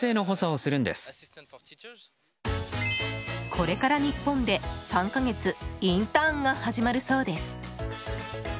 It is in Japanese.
これから日本で３か月インターンが始まるそうです。